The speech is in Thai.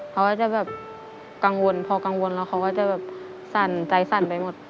เขาก็จะแบบกังวลพอกังวลแล้วเขาก็จะแบบสั่นใจสั่นไปหมด